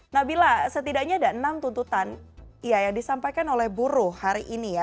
nabila setidaknya ada enam tuntutan yang disampaikan oleh buruh hari ini ya